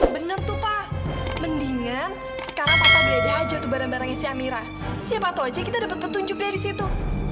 bener tuh pa mendingan sekarang papa gede aja tuh bareng barengnya si amira siapa tahu aja kita dapat petunjuk dari situ